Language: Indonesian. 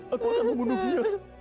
aku akan membunuhnya